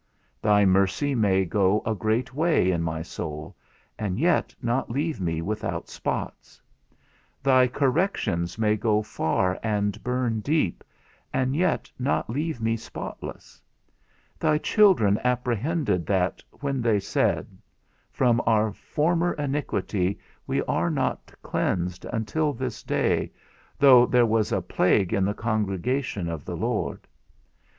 Thy mercy may go a great way in my soul and yet not leave me without spots; thy corrections may go far and burn deep, and yet not leave me spotless: thy children apprehended that, when they said, From our former iniquity we are not cleansed until this day, though there was a plague in the congregation of the Lord.